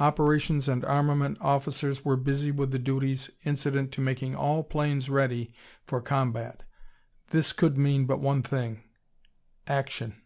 Operations and armament officers were busy with the duties incident to making all planes ready for combat. This could mean but one thing Action!